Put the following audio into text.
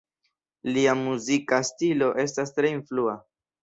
Lia muzika stilo estas tre influa.